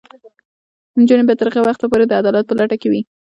نجونې به تر هغه وخته پورې د عدالت په لټه کې وي.